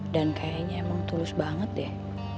dan kayaknya emang tulus banget deh